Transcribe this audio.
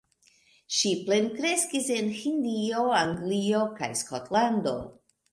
Ŝi plenkreskis en Hindio, Anglio kaj Skotlando.